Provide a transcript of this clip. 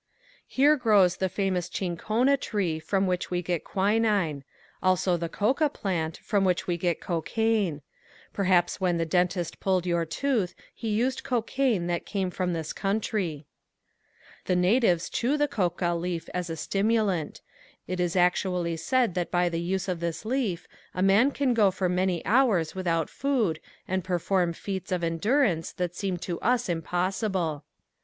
'" Here grows the famous chincona tree from which we get quinine. Also the coca plant from which we get cocaine. Perhaps when the dentist pulled your tooth he used cocaine that came from this country. The natives chew the coca leaf as a stimulant. It is actually said that by the use of this leaf a man can go for many hours without food and perform feats of endurance that seem to us impossible.